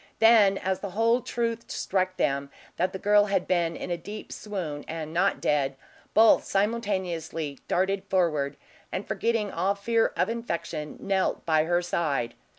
Then, as the whole truth struck them, that the girl had been in a deep swoon and not dead, both simultaneously darted forward, and forgetting all fear of infection, knelt by her side.